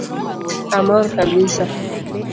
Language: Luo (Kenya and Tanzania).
Amor kabisa